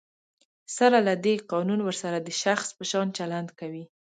سره له دی، قانون ورسره د شخص په شان چلند کوي.